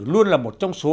luôn là một trong số